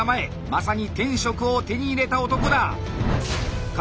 まさに天職を手に入れた男だ。